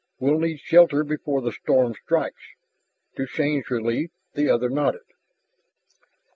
"We'll need shelter before the storm strikes." To Shann's relief the other nodded.